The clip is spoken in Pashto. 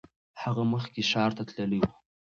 هغه مخکې ښار ته تللی و.